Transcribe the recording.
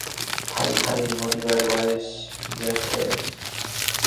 হায় হায়, মরিবার বয়স গিয়াছে।